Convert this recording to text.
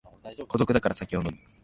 孤独だから酒を飲む